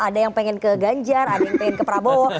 ada yang pengen ke ganjar ada yang pengen ke prabowo